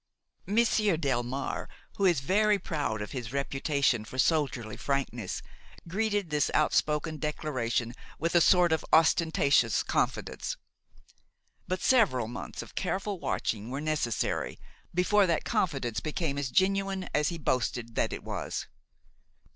Monsieur Delmare, who is very proud of his reputation for soldierly frankness, greeted this outspoken declaration with a sort of ostentatious confidence. But several months of careful watching were necessary before that confidence became as genuine as he boasted that it was.